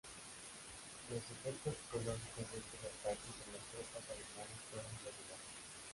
Los efectos psicológicos de estos ataques en las tropas alemanas fueron regulares.